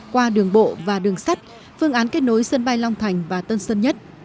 qua đường bộ và đường sắt phương án kết nối sân bay long thành và tân sơn nhất